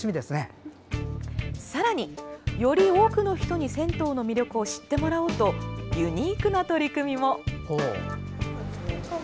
さらに、より多くの人に銭湯の魅力を知ってもらおうとユニークな取り組みも。